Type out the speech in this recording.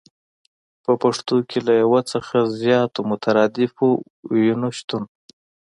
په پښتو کې له يو څخه زياتو مترادفو ويونو شتون